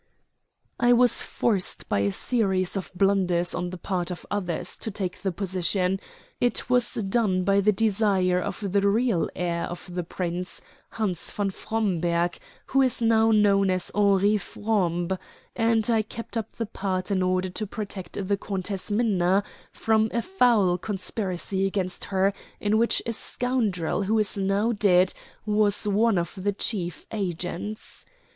"I was forced by a series of blunders on the part of others to take the position; it was done by the desire of the real heir of the Prince, Hans von Fromberg, who is now known as Henri Frombe; and I kept up the part in order to protect the Countess Minna from a foul conspiracy against her, in which a scoundrel who is now dead was one of the chief agents."